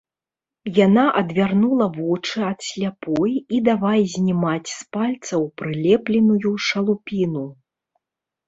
Яна адвярнула вочы ад сляпой і давай знімаць з пальцаў прылепленую шалупіну.